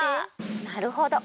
なるほど。